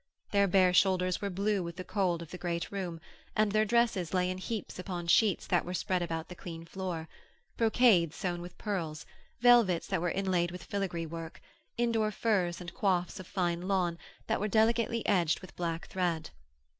Their bare shoulders were blue with the cold of the great room, and their dresses lay in heaps upon sheets that were spread about the clean floor brocades sewn with pearls, velvets that were inlaid with filagree work, indoor furs and coifs of fine lawn that were delicately edged with black thread.